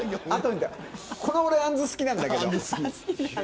俺このあんず好きなんだけど。